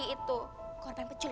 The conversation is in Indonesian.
kamu enggak apa apa